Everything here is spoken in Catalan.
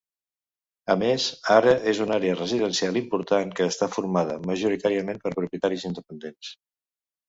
A més, ara és una àrea residencial important que està formada majoritàriament per propietats independents.